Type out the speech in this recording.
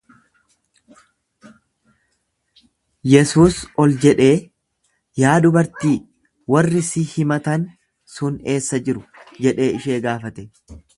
Yesuus ol jedhee, Yaa dubartii, warri si himatan sun eessa jiru? jedhee ishee gaafate.